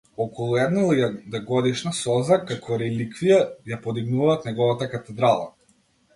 Околу една илјадагодишна солза, како реликвија, ја подигнуваат неговата катедрала.